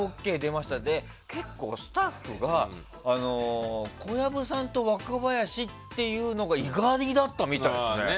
そうしたら、結構スタッフが小籔さんと若林っていうのが意外だったみたいですね。